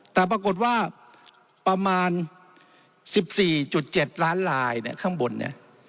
แต่ปรากฏว่าประมาณ๑๔๗ล้านลายเนี่ยข้างบนเนี่ย